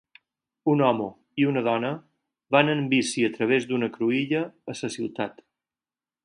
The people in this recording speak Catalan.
Un home i una dona van en bici a través d'una cruïlla a la ciutat.